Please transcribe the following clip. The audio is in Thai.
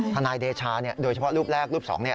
ทนายเดชาโดยเฉพาะรูปแรกรูปสอง